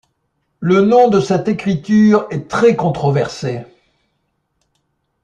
Le nom de cette écriture est très controversée.